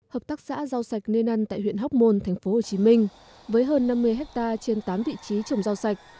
hợp tác xã rau sạch nên ăn tại huyện hóc môn tp hcm với hơn năm mươi hectare trên tám vị trí trồng rau sạch